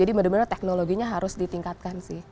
jadi benar benar teknologinya harus ditingkatkan sih